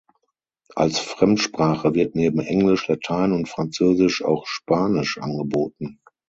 Als Fremdsprache wird neben Englisch, Latein und Französisch auch Spanisch angeboten.